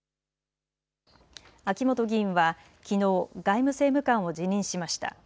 秋本議員はきのう、外務政務官を辞任しました。